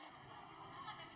dukung pak ahok